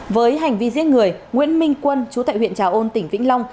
với hành vi giết người nguyễn minh quân chú tại huyện trà ôn tỉnh vĩnh long